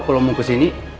kalo mau kesini